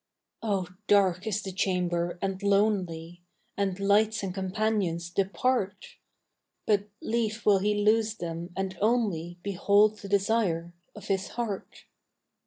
Oh dark is the chamber and lonely, And lights and companions depart; But lief will he lose them and only Behold the desire of his heart.